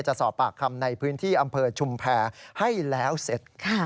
จะสอบปากคำในพื้นที่อำเภอชุมแพรให้แล้วเสร็จ